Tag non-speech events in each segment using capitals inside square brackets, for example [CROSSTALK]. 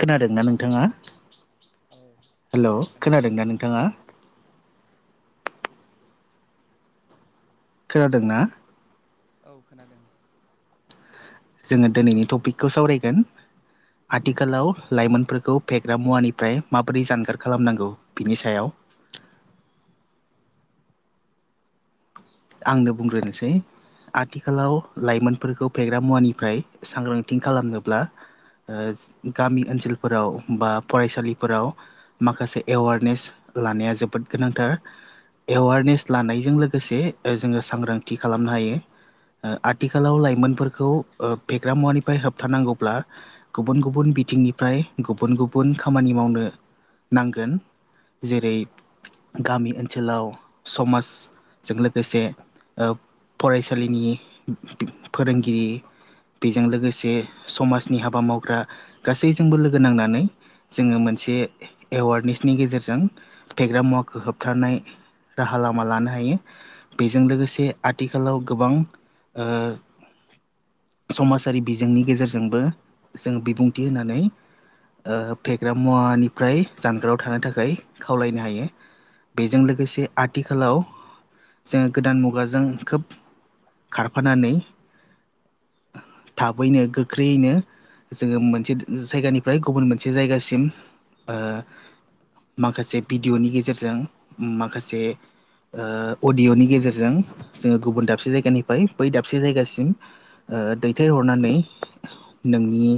खोनादोंना नोंथाङा औ हेलौ खोनादों खोनादोंना नोंथां नोंथाङा खोनादोंना औ खोनादों जोङो दिनैनि टपिकखौ सावरायगोन आथिखालाव लाइमोनफोरखौ फेग्रा मुवानिफ्राय माबोरै जानगार खालामनांगौ बिनि सायाव [INAUDIBLE] आंनो बुंग्रोनोसै। आथिखालाव लाइमोनफोरखौ फेग्रा मुवानिफ्राय सांग्रांथिं खालामनोब्ला ओ गामि ओनसोलफोराव बा फरायसालिफोराव माखासे एवारनेस लानाया जोबोद गोनांथार एवारनेस लानायजों लोगोसे जोङो सांग्रांथि खालामनो हायो। ओ आथिखालाव लाइमोनफोरखौ ओ फेग्रा मुवानिफ्राय होबथानांगौब्ला गुबुन गुबुन बिथिंनिफ्राय गुबुन गुबुन खामानि मावनो नांगोन। जेरै गामि ओनसोलाव समाजजों लो गोसे ओ फरायसालिनि फोरोंगिरि बेजों लोगोसे समाजनि हाबा मावग्रा गासैजोंबो लोगो नांनानै जोङो मोन से एवारनेसनि गेजेरजों फेग्रा मुवाखौ होबथानाय राहा लामा लानो हायो। बेजों लोगोसे आथिखालाव गोबां ओ समाजारि बिजोंनि गेजेरजोंबो जों बिबुंथि होनानै फेग्रा मुवानिफ्राय जानगाराव थानो थाखाय खावलायनो हायो। बेजों लोगोसे आथिखालाव जोङो गोदान मुगाजों खोब खारफानानै थाबैनो गोख्रैयैनो जोङो मोनसे जायगानिफ्राय गुबुन मोनसे जायगासिम ओ माखासे भिडिय'नि गेजेरजों माखासे ओ अडिय'नि गेजेरजों जोङो गुबुन दाबसे जायगानिफ्राय बै दाबसे जायगासिम ओ दैथायहर नानै नोंनि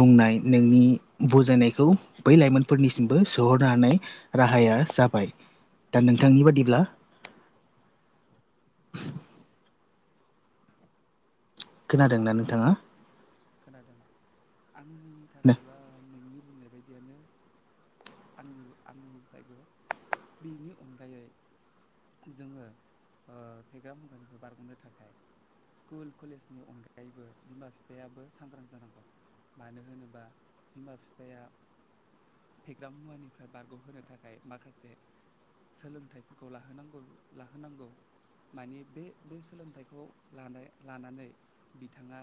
बुंनाय नोंनि बुजायनायखौ बै लाइमोनफोरनिसिमबो सोहरनो हा हानाय राहाया जाबाय दा नोंथांनि बादिब्ला खोनादोंना नोंथाङा खोनादों आंनि थाखाय बा नोंनि बुंनाय बायदियानो आंनिबो आंनिफ्रायबो बिनि अनगायै जोङो ओ फेग्रा मुगानिफ्राय बारग'नो थाखाय स्कुल कलेजनि अनगायैबो बिमा बिफायाबो सांग्रां जानांगौ मानो होनोबा बिमा बिफाया फेग्रा मुवानिफ्राय बारग'होनो थाखाय माखासे सोलोंथाइफोरखौ लाहोनांगौ लाहोनांगौ। माने बे बे सोलोंथाइखौ लानाय लानानै बिथाङा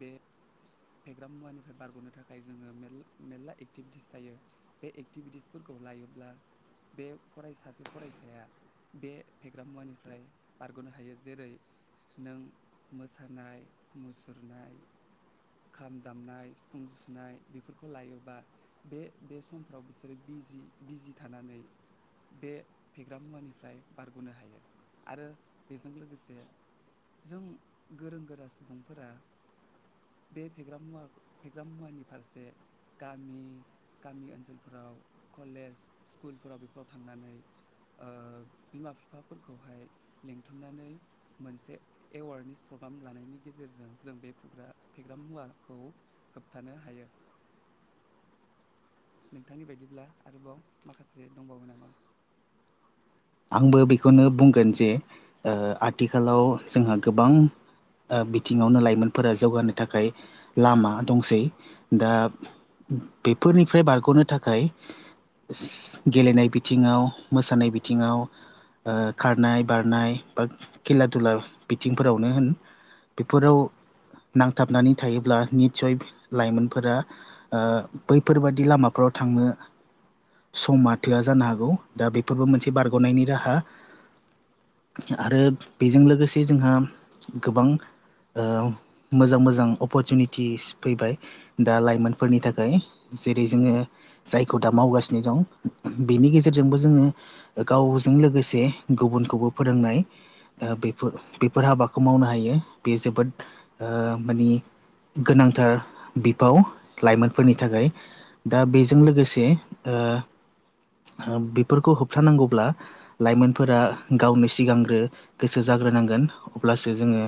बे [INAUDIBLE] फेग्रा मुवानिफ्राय बारग'नो थाखाय जोङो मेर मेर्ला एक्टिभिटिस थायो बे एक्टिभिटिसफोरखौ लायो ब्ला बे फराय सासे फरायसाया बे फेग्रा मुवानिफ्राय बारग'नो हायो जेरै नों मोसानाय मुसुरनाय खाम दामनाय सिफुं जुसुनाय बेफोरखौ लायोबा बे बे समफ्राव बिसोरो बि जि बिजि थानानै बे फेग्रा मुवानिफ्राय बारग'नो हायो आरो बेजों लोगोसे जों गोरों गोरा सुबुंफोरा बे फेग्रा मुवा फेग्रा मुवानि फारसे गामि गामि ओनसोलफोराव कलेज स्कुलफोराव बेफोराव थांनानै ओ बिमा बिफाफोरखौहाय लिंथुमनानै मोनसे एवारनेस प्र ग्राम लानायनि गेजेरजों जों बे फेग्रा फेग्रा मुवाखौ होबथानो हायो। नोंथांनि बायदिब्ला आरोबाव माखासे दंबावो नामा आंबो बेखौनो बुंगोन जे ओ आथिखालाव जोंहा गोबां ओ बिथिङावनो लाइमोनफोरा जौगानो थाखाय लामा दंसै दा बेफोरनिफ्राय बारग'नो थाखाय गेलेनाय बिथिङाव, मोसानाय बिथिङाव, खारनाय बारनाय बा खेला दुला बिथिंफोरावनो होन बिफोराव नांथाबनानै थायोब्ला नितसय लाइमोनफोरा बैफोरबाददि लामाफ्राव थांनो समा थोआ जानो हागौ। दा बेफोरबो मोनसे बारग'नायनि राहा। आरो बेजों लोगोसे जोंहा गोबां ओ मोजां मोजां अपरतुनिटिस फैबाय, दा लाइमोनफोरनि थाखाय। जेरै जोङो जायखौ दा मावगासिनो दं बेनि गेजेरजोंबो जोङो गावजों लोगोसे गुबुनखौबो फोरोंनाय ओ बेफोर बेफोर हाबाखौ मावनो हायो। बे जोबोद ओ मानि गोनांथार बिफाव लाइमोनफोरनि थाखाय, दा बेजों लोगोसे ओ ओ बेफोरखौ होबथानांगौब्ला लाइमोनफोरा गावनो सिगांग्रो गोसो जाग्रोनांगोन, अब्लासो जो ङो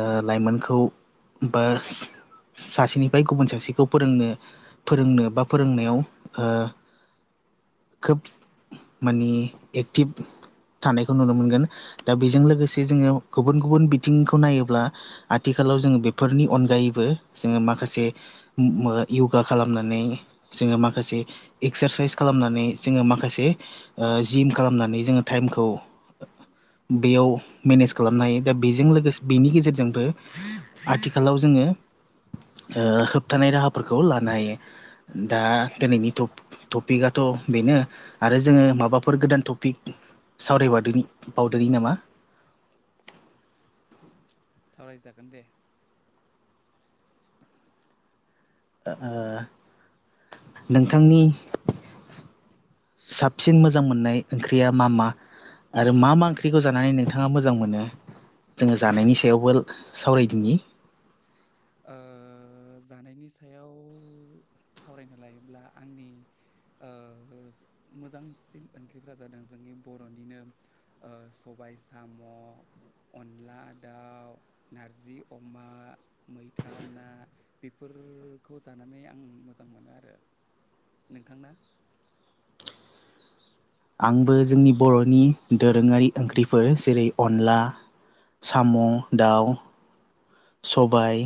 ओ लाइमोनखौ बा सासेनिफ्राय गुबुन सासेखौ फोरोंनो फोरोंनो बा फोरोंनायाव ओ खोब माने एक्टिभ थानायखौ नुनो मोनगोन। दा बेजों लोगोसे जोङो गुबुन गुबुन बिथिंखौ नायोब्ला, आथि खालाव जोङो बेफोरनि अनगायैबो जोङो माखासे मो ओ योगा खालामनानै जोङो माखासे एक्सारसाइस खालामनानै जोङो माखासे ओ जिम खालामनानै जोङो टाइमखौ बेयाव मेनेज खालामनो हायो। दा बेजों लोगोसे बेनि गेजेरजोंबो आथिखालाव जोङो ङो ओ होबथानाय राहाफोरखौ लानो हायो। दा दिनैनि टप-टपिकआथ' बेनो आरो जोङो माबा माबाफोर गोदान टपिक सावरायबावदिनि बावदोनि नामा? [INAUDIBLE] सावरायजागोन दे। ओ ओ नोंथांनि साबसिन मोजां मोननाय ओंख्रिया मा मा? आरो मा मा ओंख्रिखौ जानानै नोंथाङा मोजां मोनो? जोङो जानायनि सायावबो सावरायदिनि ओ ओ जानायनि सायाव सावरायनो लायोब्ला आंनि ओ मोजांसिन ओंख्रिफोरा जादों जोंनि बर'निनो ओ सबाय साम' अनला दाउ, नारजि अमा मैथा ना, बेफोरखौ जानानै आं मोजां मोनो आरो। नोंथांना? [INAUDIBLE] आंबो जोंनि बर'नि दोरोङारि ओंख्रिफोर जेरै अनला साम, ' दाउ, सबाय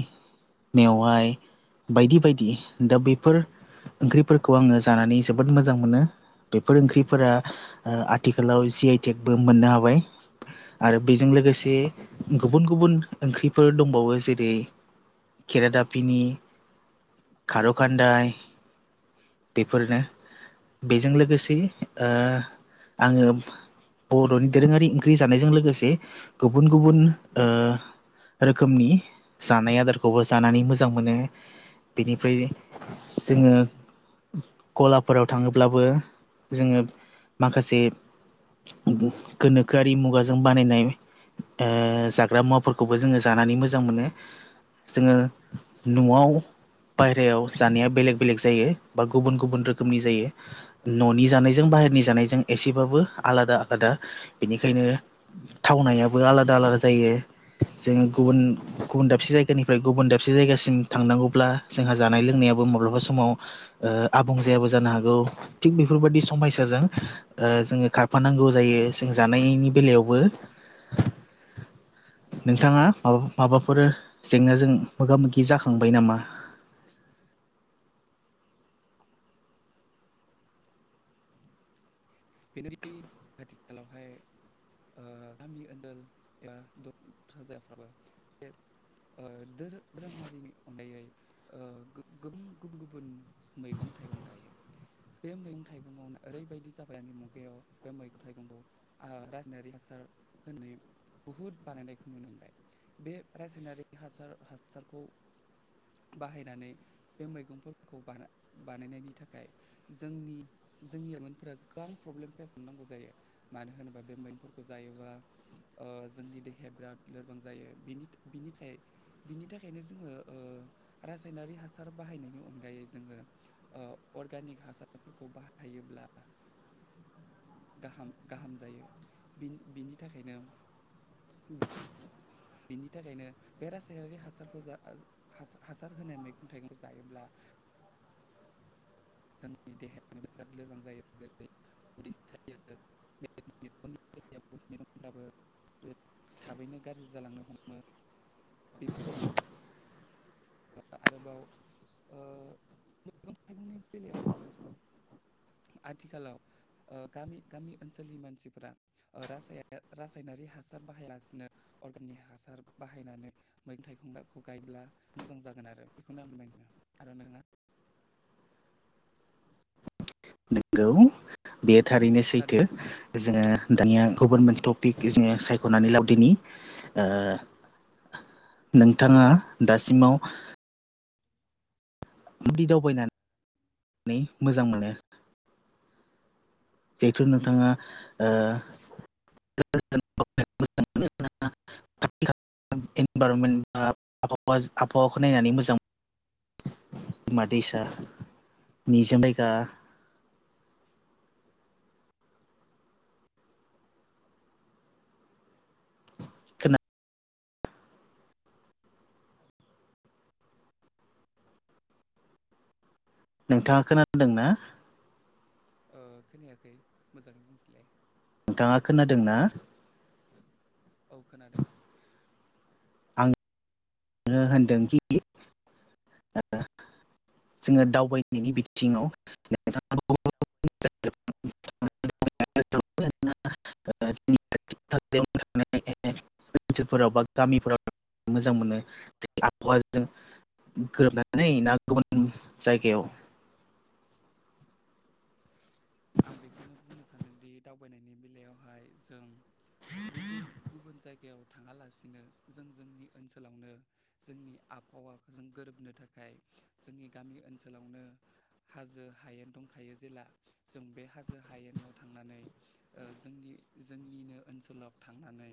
मेवाय, बायदि बायदि दा बेफोर ओंख्रिफोरखौ आङो जानानै जोबोद मोजां मोनो। बेफोर ओंख्रिफोरा ओ आथिखालाव जि आइ टेक बो मोननो हाबाय। आरो बेजों लोगोसे गुबुन गुबुन ओंख्रिफोर दं बावो जेरै खेरादाफिनि खार'खान्दाय बेफोरनो। बेजों लोगोसे ओ आङो बर'नि दोरोङारि ओंख्रि जानायजों लोगोसे गुबुन गुबुन ओ रो रोखोमनि जानाय आदारखौबो जानानै मोजां मोनो। बेनिफ्राय जोङो गलाफोराव थाङोब्लाबो जोङो माखासे गोनोखोआरि मुगाजों बानायनाय ओ जाग्रा मुवाफोरखौबो जोङो जानानै मोजां मोनो। जोङो न'आव बायहेरायाव जानाया बेलेग बेलेग जायो बा गुबुन गुबुन रोखोमनि जायो। न'नि जानायजों बा बायहेरनि जानायजों एसेबाबो आलादा आलादा। बेनिखायनो थावनायाबो आलादा आलादा जायो जों गुबुन गुबुन दाबसे जायगानिफ्राय गुबुन दाबसे जायगासिम थांनांगौब्ला जोंहा जानाय लोंनायाबो माब्लाबा समाव माव ओ आबुं जायाबो जानो हागौ थिग बेफोरबायदि समस्याजों जोङो खारफा नांगौ जायो जों जानायनि बेलायावबो नोंथाङा औ माबाफोर जेंनाजों मोगा मोगि जाखांबाय नामा? [INAUDIBLE] [UNINTELLIGIBLE] आथिखालावहाय ओ गामि ओन [UNINTELLIGIBLE] ओ दोरो रोङारिनि अनगायै ओ [UNINTELLIGIBLE] गुबुन गुबुन मैगं थाइगं गायो बे मैगं थाइगङावनो ओरैबादि जाब दानि मुगायाव बे मैगं थाइगंखौ ओ रासायनारि हासार होनाय बुहुत बानायनायखौ नुनो मोनबाय बे रासायनारि हासार हासारखौ बाहायनानै बे मैगंफोरखौ बाना-बानायनायनि थाखाय जोंनि जोंनि ओमोनफ्रोद गोबां फ्रब्लेम फेस [UNINTELLIGIBLE] नांगौ जायो मानो होनोबा बे मेंफोरखौ जायोबा ओ जोंनि देहाया बिराद लोरबां जायो बिनिथ बिनिखाय बिनि थाखायनो जोङो ओ रासायनारि हा सार बाहायनायनि अनगायै जोङो ओ अर्गानिक हासारफोरखौ बाहायोब्ला गाहाम गाहाम जायो बिनि बिनि थाखायनो बिनि थाखायनो बे रासायारि हासारखौ जा ओ हासार हासार होनाय मैगं थाइगं जायोब्ला [INAUDIBLE] जोंनि देहा राद लोरबां जायो जेरै उदै सायो [UNINTELLIGIBLE] [UNINTELLIGIBLE] थाबैनो गाज्रि जालांनो हमो बेफोर [UNINTELLIGIBLE] आ-आरोबाव ओ [INAUDIBLE] बेलायाव आथिखालाव ओ गामि गामि ओनसोलनि मानसिफोरा ओ रासाया रासायना नारि हासार बाहायालासिनो अर्गानिक हासार बाहायनानै मै थाइगंगाखौ गायब्ला मोजां जागोन आरो बेखौनो आं [UNINTELLIGIBLE] आरो नोङा नोंगौ बेयो थारैनो सैथो खोनादोंना जोङो दानिया गुबुन मोनसे ट पिक जोङो सायख'नानै लाबदिनि ओ नोंथाङा दासिमाव बिदि दावबायनानै [INAUDIBLE] मोजां मोनो जिहेथु नोंथाङा ओ [UNINTELLIGIBLE] [UNINTELLIGIBLE] [UNINTELLIGIBLE] बा आबहावा आबहावाखौ नायनानै मोजां मा दैसा निजोम [UNINTELLIGIBLE] खोना नोंथाङा खोनादों ना? ओ खोनायाखै मोजाङै बुंफिलाय। नोंथाङा खोनादों ना? औ खोनादों। नो होनदोंखि [UNINTELLIGIBLE] जोङो दावबायनायनि बिथिङाव नोंथां [UNINTELLIGIBLE] [UNINTELLIGIBLE] [UNINTELLIGIBLE] ओनसोलफोराव बा गामिफोराव मोजां मोनो आबहावाजों गोरोबनानै ना गुबुन जायगायाव आं बेखौनो बुंनो सान्दोंदि दावबायनायनि बेलायावहाय जों गुबुन गुबुन जायगायाव थाङालासिनो जों जोंनि ओनसोलावनो जोंनि आबहावा जों गोरोबनो थाखाय जोंनि गामि ओनसोलावनो हाजो हायेन दंखायो जेला जों बे हाजो हायेनाव थांनानै ओ जोंनि जोंनिनो ओनसोलाव थांनानै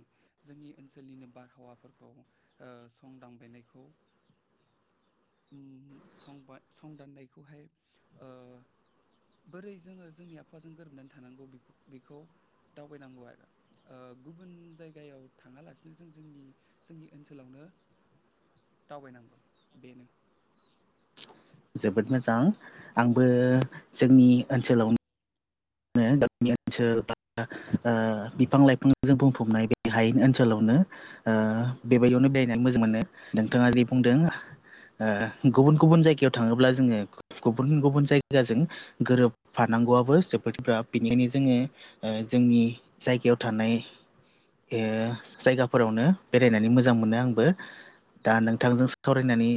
जोंनि ओनसोलनिनो बारहावाफोरखौ ओ संदांबायनायखौ [INAUDIBLE] उम संबा संदाननायखौहाय ओ बोरै जोङो जोंनि आफाजों गोरोबनानै थानांगौ बेखौ दावबायनांगौ ओ आरो गुबुन जायगायाव थाङालासिनो जों जोंनि जोंनि ओनसोलावनो दावबायनांगौ बेनो जोबोद मोजां आंबो जोंनि ओनसोलाव गामिनि ओनसोल बा बिफां लाइफां जों बुंफबनाय बे हायनि ओनसोलावनो बेबायदियावनो बेरायनानै मोजां मोनो नोंथाङा जे बुंदों। गुबुन गुबुन जायगायाव थाङोब्ला जोङो गुबुन गुबुन जायगाजों गोरोबफाना नांगौआबो जोफथिफ बेनिखायनो जोङो जोंनि जायगायाव थानाय। जायगाफोरावनो बेरायनानै मोजां मोनो आंबो दा नोंथांजों सावरायनानै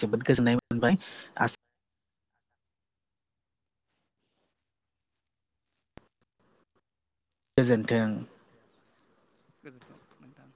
जोबोद गोजोननाय मोनबाय आ गोजोन गोजोनथों नोंथां।